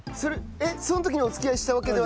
その時にお付き合いしたわけではなく。